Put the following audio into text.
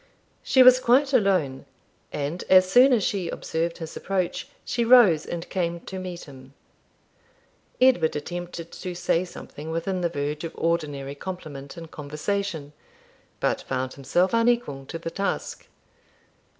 She was quite alone, and as soon as she observed his approach she rose and came to meet him. Edward attempted to say something within the verge of ordinary compliment and conversation, but found himself unequal to the task.